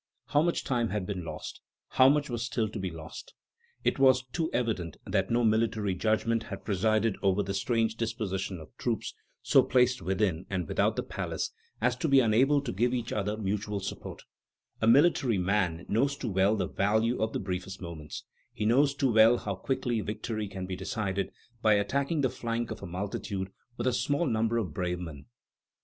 How much time had been lost, how much was still to be lost! It was too evident that no military judgment had presided over that strange disposition of troops, so placed within and without the palace as to be unable to give each other mutual support; a military man knows too well the value of the briefest moments, he knows too well how quickly victory can be decided by attacking the flank of a multitude with a small number of brave men.